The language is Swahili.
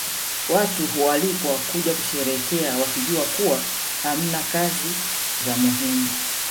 Watu hualikwa kuja kusherehekea wakijua kuwa hamna kazi za muhimu